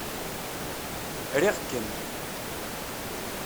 Riɣ-kem.